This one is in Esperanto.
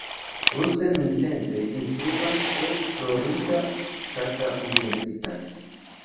Ruse nuntempe instruas ĉe Florida Ŝtata Universitato.